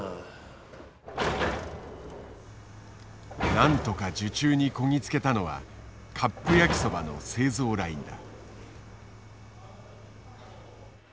なんとか受注にこぎ着けたのはカップ焼きそばの製造ラインだ。